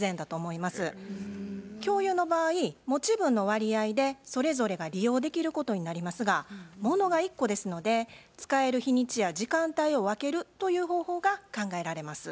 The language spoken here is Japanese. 共有の場合持分の割合でそれぞれが利用できることになりますがものが１個ですので使える日にちや時間帯を分けるという方法が考えられます。